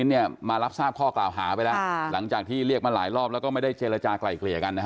ใช่มันมีจังหวะตอนที่เขาโดนนัลแน่นอน